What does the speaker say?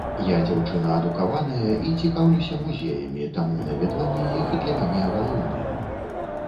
Я дзяўчына адукаваная і цікаўлюся музеямі, таму наведванне іх для мяне галоўнае.